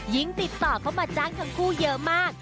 ติดต่อเข้ามาจ้างทั้งคู่เยอะมาก